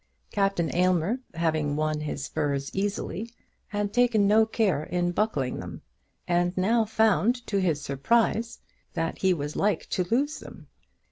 Captain Aylmer having won his spurs easily, had taken no care in buckling them, and now found, to his surprise, that he was like to lose them.